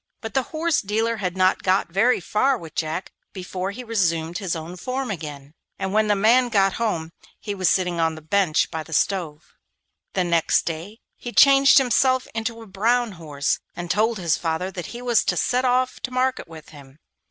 But the horse dealer had not got very far with Jack before he resumed his own form again, and when the man got home he was sitting on the bench by the stove. The next day he changed himself into a brown horse and told his father that he was to set off to market with him.